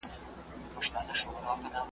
نه مي لاس د چا په وینو دی لړلی .